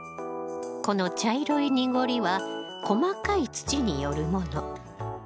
この茶色い濁りは細かい土によるもの。